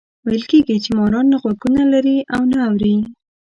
ویل کېږي ماران نه غوږونه لري او نه اوري.